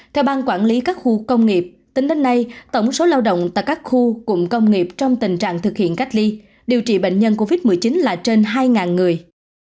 theo ban quản lý các khu công nghiệp tính đến nay tổng số lao động tại các khu cụm công nghiệp trong tình trạng thực hiện cách ly điều trị bệnh nhân covid một mươi chín là trên hai người